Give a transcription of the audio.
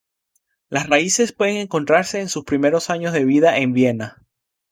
Las raíces pueden encontrarse en sus primeros años de vida en Viena.